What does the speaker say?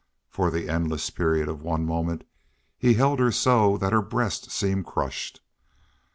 For the endless period of one moment he held her so that her breast seemed crushed.